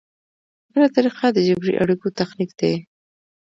بله طریقه د جبري اړیکو تخنیک دی.